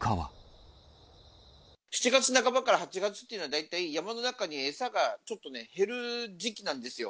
７月半ばから８月っていうのは、大体、山の中に餌がちょっとね、減る時期なんですよ。